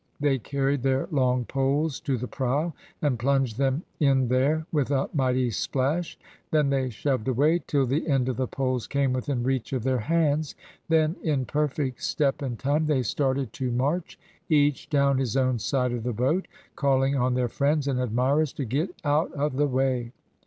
They carried their long poles to the prow, and plunged them in there with a mighty splash. Then they shoved away, till the end of the poles came within reach of their hands. Then, in perfect step and time, they started to march, each down his own side of the boat, calling on their friends and admirers to get out of the way.